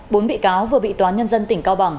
bốn bị cáo vừa bị toán nhân dân tỉnh cao bằng